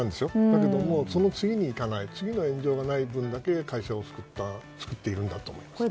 だけどその次にいかない次の炎上がない分だけ会社を救っているんだと思います。